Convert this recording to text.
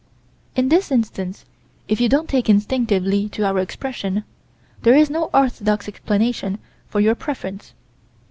In this instance, if you don't take instinctively to our expression, there is no orthodox explanation for your preference.